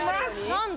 何だ？